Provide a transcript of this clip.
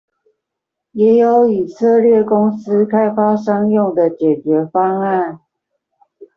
也有以色列公司開發商用的解決方案